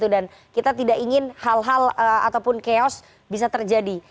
dan kita tidak ingin hal hal ataupun chaos bisa terjadi